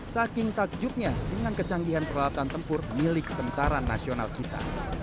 saking takjubnya dengan kecanggihan peralatan tempur milik tentara nasional kita